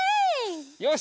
よし！